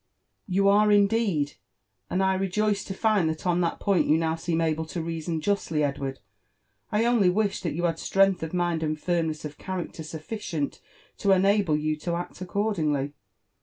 You are indeed! — and I rejoice to find that on that point you now seem able to reason juslly, Edward : I only wish that you had strength of mind and firmness of character sufficient to enable you to act ac cordingly.